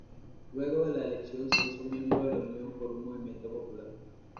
Luego de la elección se hizo miembro de la Unión por un Movimiento Popular.